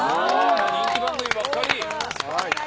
人気番組ばっかり。